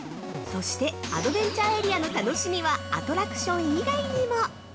◆そしてアドベンチャーエリアの楽しみはアトラクション以外にも。